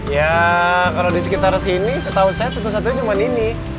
ya kalau di sekitar sini setahu saya satu satunya cuma ini